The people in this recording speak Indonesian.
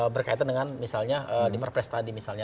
berkaitan dengan misalnya di perpres tadi misalnya